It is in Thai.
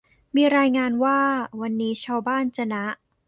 มีรายงานว่า วันนี้ชาวบ้านจะนะ